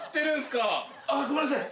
すいません。